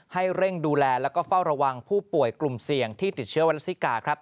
ให้เร่งดูแลแล้วก็เฝ้าระวังผู้ป่วยกลุ่มเสี่ยงที่ติดเชื้อไวรัสซิกาครับ